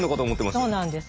そうなんです。